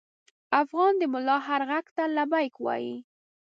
افغان د ملا هر غږ ته لبیک وايي.